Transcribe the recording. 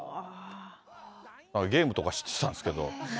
ゲームとかしてたんですけど。